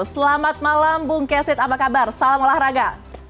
selamat malam bung kesit apa kabar salam olahraga